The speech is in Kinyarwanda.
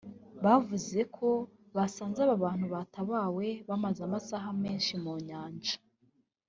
bavuze ko basanze aba bantu batabawe bamaze amasaha menshi mu Nyanja